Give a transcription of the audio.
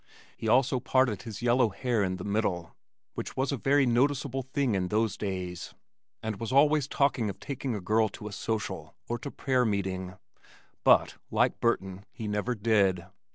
He also parted his yellow hair in the middle (which was a very noticeable thing in those days) and was always talking of taking a girl to a social or to prayer meeting. But, like Burton, he never did.